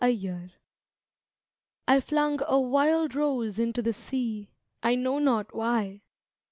WASTE I flung a wild rose into the sea, I know not why.